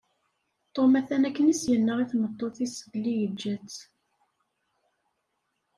Tom atan akken i s-yenna i tmeṭṭut-is belli yeǧǧa-tt.